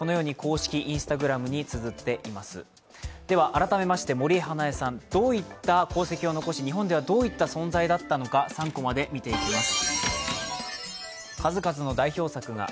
改めまして森英恵さんどういった功績を残し日本ではどういった存在だったのか３コマで見ていきます。